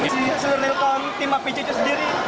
sebenarnya kalau tim apcc sendiri